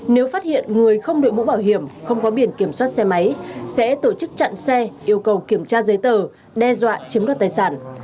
nếu phát hiện người không đội mũ bảo hiểm không có biển kiểm soát xe máy sẽ tổ chức chặn xe yêu cầu kiểm tra giấy tờ đe dọa chiếm đoạt tài sản